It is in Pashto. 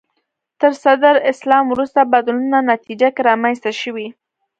تر صدر اسلام وروسته بدلونونو نتیجه کې رامنځته شوي